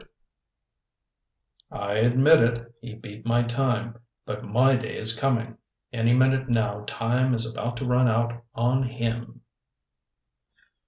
] I admit it he beat my time. But my day is coming. Any minute now time is about to run out on him!